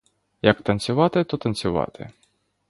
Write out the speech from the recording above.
Як танцювати, то танцювати.